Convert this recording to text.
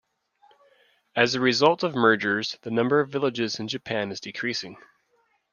As a result of mergers, the number of villages in Japan is decreasing.